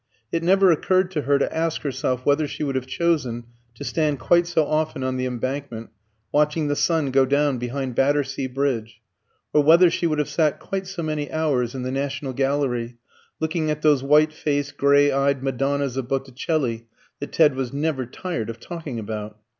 It never occurred to her to ask herself whether she would have chosen to stand quite so often on the Embankment watching the sun go down behind Battersea Bridge, or whether she would have sat quite so many hours in the National Gallery looking at those white faced grey eyed Madonnas of Botticelli that Ted was never tired of talking about.